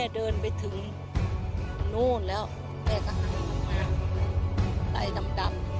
ท้อยต่อมา